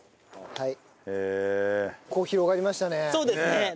はい。